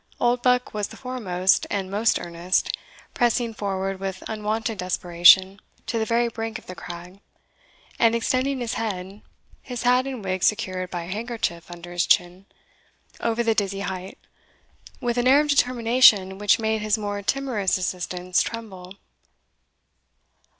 Oldbuck was the foremost and most earnest, pressing forward with unwonted desperation to the very brink of the crag, and extending his head (his hat and wig secured by a handkerchief under his chin) over the dizzy height, with an air of determination which made his more timorous assistants tremble.